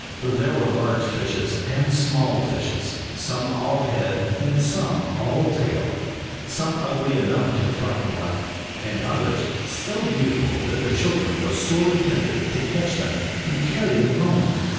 There were large fishes and small fishes, some all head and some all tail, some ugly enough to frighten one, and others so beautiful that the children were sorely tempted to catch them and carry them home.